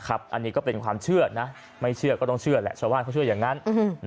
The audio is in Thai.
อันนี้ก็เป็นความเชื่อนะไม่เชื่อก็ต้องเชื่อแหละชาวบ้านเขาเชื่ออย่างนั้น